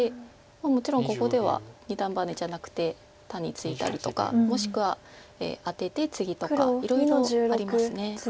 もちろんここでは二段バネじゃなくて単にツイだりとかもしくはアテてツギとかいろいろあります。